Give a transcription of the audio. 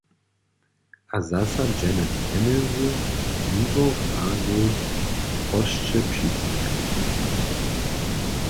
A zasadźene pjenjezy Miłorazej prosće přisteja.